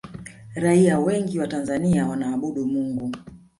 raia wengi wa tanzania wanaabudu mungu